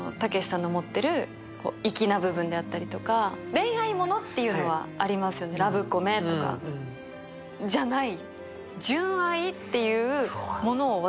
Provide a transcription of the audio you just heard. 恋愛物っていうのはありますね、ラブコメってじゃない。